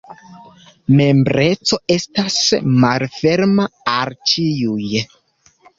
Membreco estas malferma al ĉiuj.